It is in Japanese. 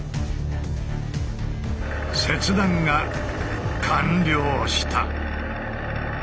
切断が完了した。